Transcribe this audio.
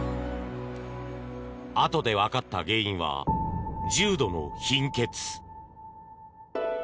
あとでわかった原因は重度の貧血。